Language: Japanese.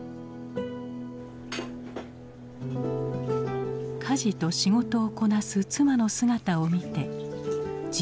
家事と仕事をこなす妻の姿を見て自分のふがいなさに腹が立った。